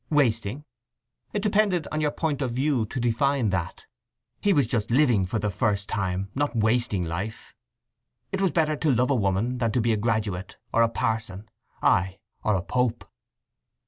"Wasting!" It depended on your point of view to define that: he was just living for the first time: not wasting life. It was better to love a woman than to be a graduate, or a parson; ay, or a pope!